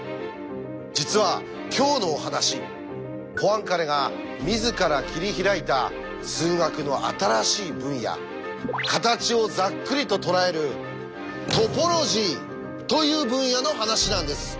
実は今日のお話ポアンカレが自ら切り開いた数学の新しい分野形をざっくりととらえる「トポロジー」という分野の話なんです。